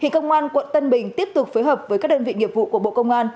công an quận tân bình tiếp tục phối hợp với các đơn vị nghiệp vụ của bộ công an